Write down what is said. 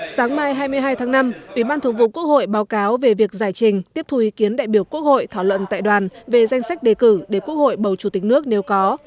sáng mai hai mươi hai tháng năm ủy ban thường vụ quốc hội báo cáo về việc giải trình tiếp thu ý kiến đại biểu quốc hội thảo luận tại đoàn về danh sách đề cử để quốc hội bầu chủ tịch nước nếu có